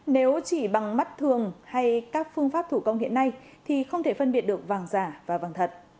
nếu chỉ bằng mắt thường hay các phương pháp thủ công hiện nay thì không thể phân biệt được vàng giả và vàng thật